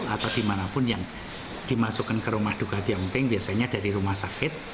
atau dimanapun yang dimasukkan ke rumah duka tiongting biasanya dari rumah sakit